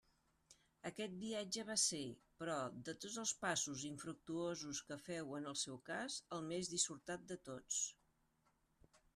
Aquest viatge va ser, però, de tots els passos infructuosos que féu en el seu cas, el més dissortat de tots.